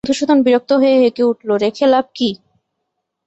মধুসূদন বিরক্ত হয়ে হেঁকে উঠল, রেখে লাভ কী?